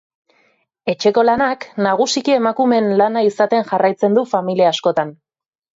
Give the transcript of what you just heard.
Etxeko lanak nagusiki emakumeen lana izaten jarraitzen du familia askotan.